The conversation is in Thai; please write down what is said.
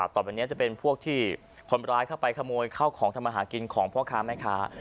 ต่อไปนี้จะเป็นพวกที่คนร้ายเข้าไปขโมยเข้าของทำมาหากินของพ่อค้าแม่ค้า